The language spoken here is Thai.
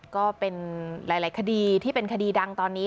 ก็เป็นหลายคดีที่เป็นคดีดังตอนนี้